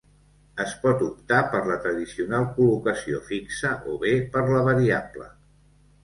Es pot optar per la tradicional col·locació fixa o bé per la variable.